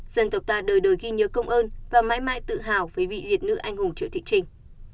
dân tộc ta đời đời ghi nhớ công ơn và mãi mãi tự hào với vị liệt nữ anh hùng triệu thị trình